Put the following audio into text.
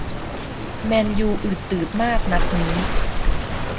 แมนยูอืดตืดมากนัดนี้